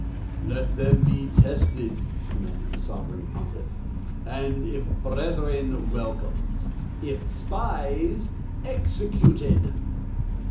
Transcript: "Let them be tested," commanded the Sovereign Pontiff, "and, if brethren, welcomed; if spies, executed!"